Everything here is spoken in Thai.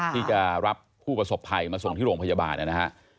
ที่จะรับผู้ประสบภัยมาส่งที่โรงพยาบาลนะฮะ